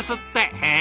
へえ！